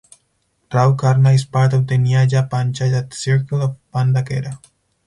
Rau Karna is part of the nyaya panchayat circle of Banda Khera.